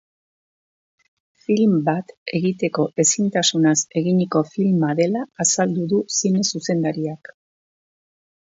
Film bat egiteko ezintasunaz eginiko filma dela azaldu du zine zuzendariak.